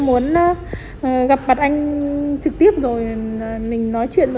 còn những vấn đề khác chúng ta có thể trả đổi vào zalo